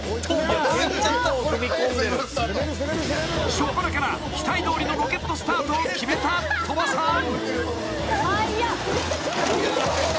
［初っぱなから期待どおりのロケットスタートを決めた鳥羽さん］